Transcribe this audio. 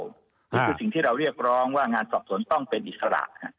นี่คือสิ่งที่เราเรียกร้องว่างานสอบสวนต้องเป็นอิสระ